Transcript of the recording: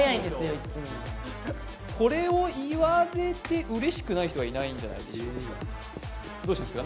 いつもこれを言われて嬉しくない人はいないんじゃないでしょうかどうしたんですか？